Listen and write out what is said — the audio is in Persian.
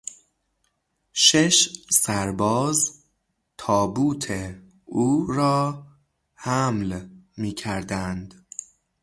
شش سرباز تابوت او را حمل میکردند.